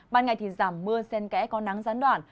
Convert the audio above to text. ban ngày thì giảm mưa sen kẽ có nắng gián đoạn